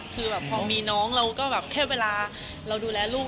คือแบบพอมีน้องเราก็แบบแค่เวลาเราดูแลลูก